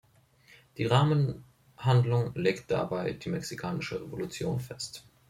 Die Rahmenhandlung legt dabei die Mexikanische Revolution fest.